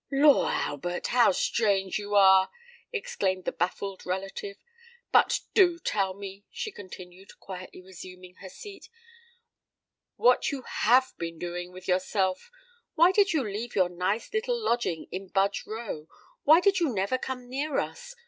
"Lor, Albert, how strange you are!" exclaimed the baffled relative. "But do tell me," she continued, quietly resuming her seat, "what you have been doing with yourself. Why did you leave your nice little lodging in Budge Row? why do you never come near us?